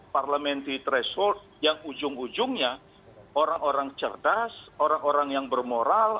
parliamentary threshold yang ujung ujungnya orang orang cerdas orang orang yang bermoral